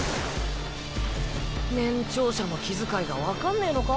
年長者の気遣いが分かんねぇのか？